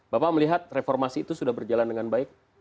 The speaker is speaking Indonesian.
bapak melihat reformasi itu sudah berjalan dengan baik